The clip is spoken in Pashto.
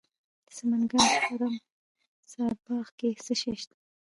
د سمنګان په خرم سارباغ کې څه شی شته؟